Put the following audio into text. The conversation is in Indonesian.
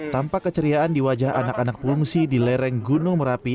tampak keceriaan di wajah anak anak pengungsi di lereng gunung merapi